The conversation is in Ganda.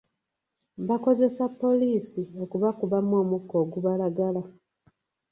Bakozesa poliisi okubakubamu omukka ogubalagala.